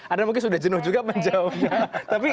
anda mungkin sudah jenuh juga menjawabnya